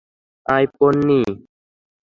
আয়, পোন্নি।